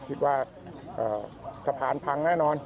คิดว่าสะพานพังแน่นอน